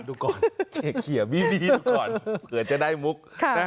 ดูก่อนเขียบีดูก่อนเผื่อจะได้มุก